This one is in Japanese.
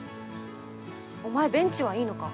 お前ベンチはいいのか？